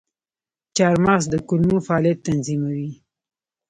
چارمغز د کولمو فعالیت تنظیموي.